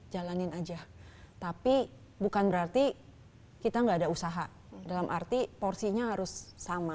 jalanin aja tapi bukan berarti kita nggak ada usaha dalam arti porsinya harus sama